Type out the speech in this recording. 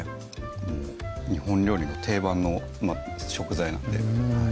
もう日本料理の定番の食材なのでうん